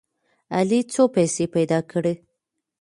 علي څو پیسې پیدا کړې.